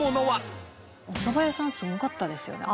お蕎麦屋さんすごかったですよね。